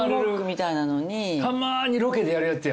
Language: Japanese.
たまにロケでやるやつや。